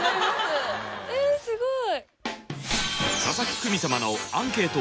えすごい！